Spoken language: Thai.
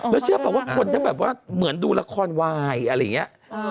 แล้วเชื่อป่ะว่าคนทั้งแบบว่าเหมือนดูละครวายอะไรอย่างนี้